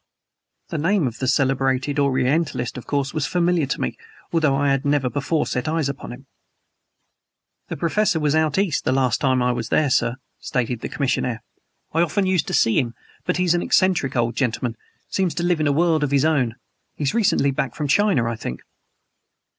The name of the celebrated Orientalist of course was familiar to me, although I had never before set eyes upon him. "The Professor was out East the last time I was there, sir," stated the commissionaire. "I often used to see him. But he's an eccentric old gentleman. Seems to live in a world of his own. He's recently back from China, I think."